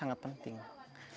dari daerah masuk